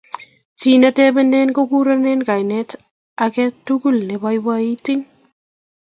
Chi netebenen kokurenen kainet age tugul neiboiboiiti